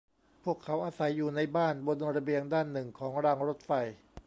พวกเขาอาศัยอยู่ในบ้านบนระเบียงด้านหนึ่งของรางรถไฟ